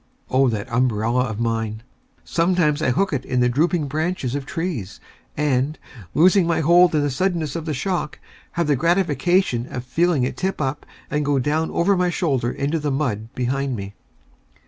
O that umbrella of mine! Sometimes I hook it in the drooping branches of trees, and, losing my hold in the suddenness of the shock, have the gratification of feeling it tip up, and go down over my shoulder into the mud behind me.